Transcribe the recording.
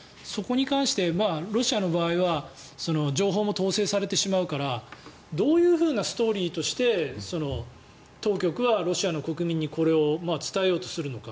だから、そこに関してロシアの場合は情報も統制されてしまうからどういうストーリーとして当局はロシアの国民にこれを伝えようとするのか。